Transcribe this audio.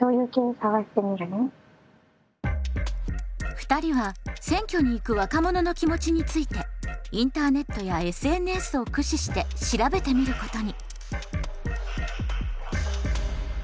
２人は選挙に行く若者の気持ちについてインターネットやＳＮＳを駆使して調べてみることに。